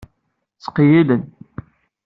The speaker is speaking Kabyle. Ttqeyyilen.